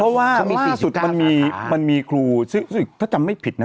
เพราะว่าว่าสุดเขามีครูซิถ้าจำไม่ผิดค่ะ